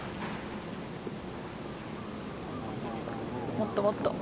もっともっと。